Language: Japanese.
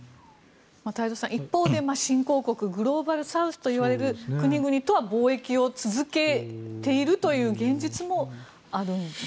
太蔵さん一方で、新興国グローバルサウスといわれる国々とは貿易を続けているという現実もあるんでしょうか。